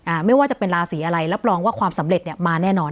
ไม่ว่าจะเป็นราศีอะไรรับรองว่าความสำเร็จเนี่ยมาแน่นอน